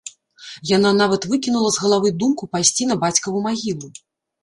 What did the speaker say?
Яна нават выкінула з галавы думку пайсці на бацькаву магілу.